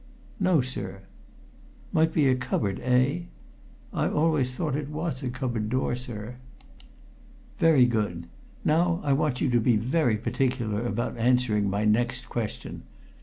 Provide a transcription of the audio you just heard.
"No, sir." "Might be a cupboard door, eh?" "I always thought it was a cupboard door, sir." "Very good. Now I want you to be very particular about answering my next question.